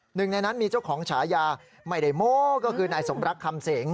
หนึ่งในนั้นมีเจ้าของฉายาไม่ได้โม้ก็คือนายสมรักคำเสง